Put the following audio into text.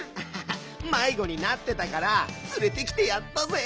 まいごになってたからつれてきてやったぜ。